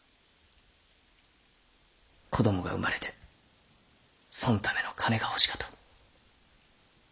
子供が生まれてそんための金が欲しかと。